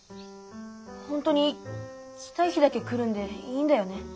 ほんとに来たい日だけ来るんでいいんだよね。